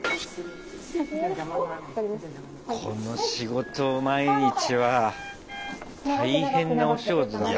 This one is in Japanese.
この仕事を毎日は大変なお仕事だね。